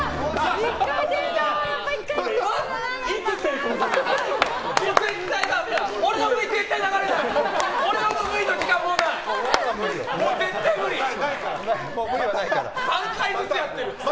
３回ずつやってる。